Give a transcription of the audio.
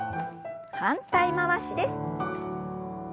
反対回しです。